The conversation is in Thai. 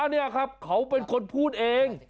นี่ครับเขาเป็นคนพูดเอง